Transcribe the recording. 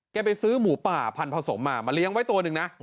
ไปซื้อหมูป่าพันธสมมามาเลี้ยงไว้ตัวหนึ่งนะ